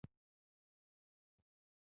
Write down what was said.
غرونه د افغانستان د ځمکې د جوړښت نښه ده.